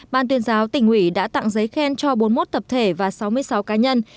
ban tuyên giáo tỉnh ủy đã tặng giấy khen cho bốn mươi một tập thể và sáu mươi sáu cá nhân